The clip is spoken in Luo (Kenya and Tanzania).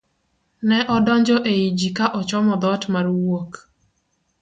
ne odonjo e i ji ka ochomo dhoot mar wuok